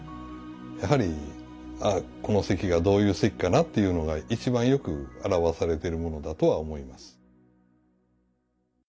やはりこの席がどういう席かなっていうのが一番よく表されてるものだとは思います。